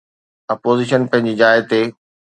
Opposition پنهنجي جاءِ تي.